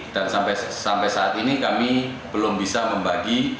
dan sampai saat ini kami belum bisa membagi